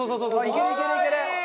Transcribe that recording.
いけるいけるいける！